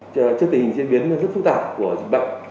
trước tình hình diễn biến rất phức tạp của dịch bệnh